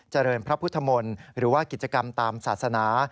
เจริญพระพุทธมนตร์หรือว่ากิจกรรมตามศาสนา